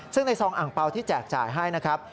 ซึ่งในซองอ่างเปล่าที่แจกจ่ายให้นะครับ